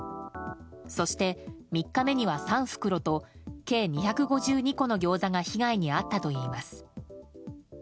そして、３日目には３袋と計２５２個のギョーザが被害に遭ったといいます。